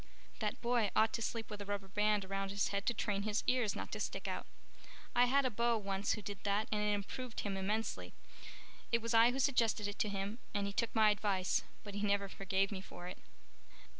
That boy ought to sleep with a rubber band around his head to train his ears not to stick out. I had a beau once who did that and it improved him immensely. It was I who suggested it to him and he took my advice, but he never forgave me for it."